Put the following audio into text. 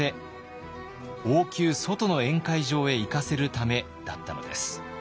王宮外の宴会場へ行かせるためだったのです。